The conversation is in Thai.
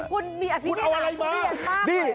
คุณเอาอะไรมากเลย